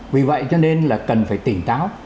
vì vậy cho nên là cần phải tỉnh táo